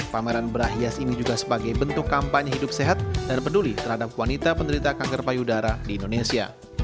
pameran brah hias ini juga sebagai bentuk kampanye hidup sehat dan peduli terhadap wanita penderita kanker payudara di indonesia